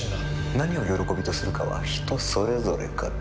何を喜びとするかは人それぞれかと。